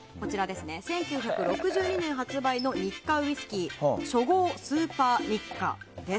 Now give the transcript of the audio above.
１９６２年発売のニッカウヰスキー初号スーパーニッカです。